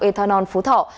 ethanol phú thọ